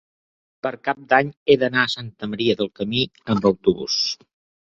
Per Cap d'Any he d'anar a Santa Maria del Camí amb autobús.